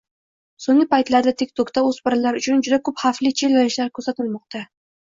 Soʻnggi paytlarda Tik Tokda oʻspirinlar uchun juda koʻp xavfli chellenjlar kuzatilmoqda.